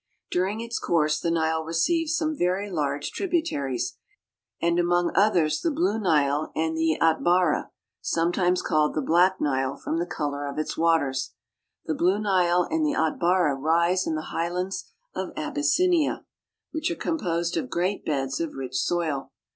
During its course, the Nile receives some very large tributaries, and among others the Blue Nile and the Atbara (at ba'ra), sometimes called the Black Nile from the color of its waters The Blue Nile and the Atbara rise in the highlands of Abyssinia, which are composed of THE LAND OF THE NILE great beds of rich soil.